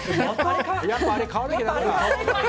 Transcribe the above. やっぱりあれ買わなきゃだめだ。